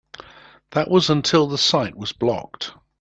That was until the site was blocked.